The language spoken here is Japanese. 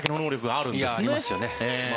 ありますよね。